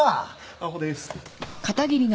アホです。